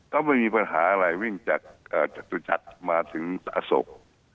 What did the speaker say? ก็ไม่มีปัญหาอะไรวิ่งจากจตุจักรมาถึงอโศก